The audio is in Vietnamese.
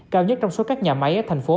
cao nhất trong số các nhà máy ở thành phố